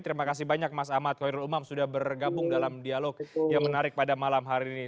terima kasih banyak mas ahmad khoirul umam sudah bergabung dalam dialog yang menarik pada malam hari ini